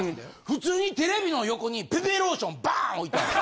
普通にテレビの横にペペローションバーン置いてある。